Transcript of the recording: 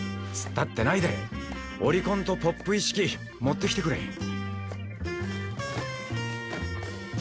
突っ立ってないで折りコンとポップ一式持ってきてくれ。